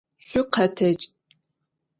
Şükhetec!